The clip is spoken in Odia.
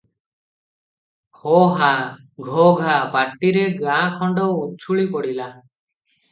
ହୋହା- ଘୋଘା ପାଟିରେ ଗାଁ ଖଣ୍ଡ ଉଛୁଳି ପଡ଼ିଲା ।